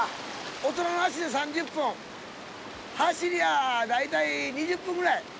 大人の足で３０分」「走りゃだいたい２０分ぐらい」